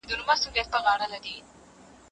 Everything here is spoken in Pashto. استاد وویل چي تل هڅه کوئ.